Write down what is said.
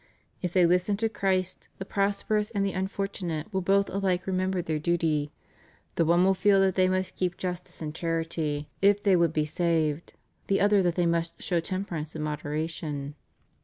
If they hsten to Christ, the prosperous and the unfortunate will both alike remem ber their duty; the one will feel that they must keep justice and charity, if they would be saved, the other that they must show temperance and moderation.